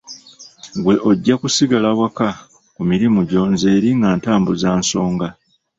Ggwe ojja kusigala waka ku mirimu gyo nze eri nga ntambuza nsonga.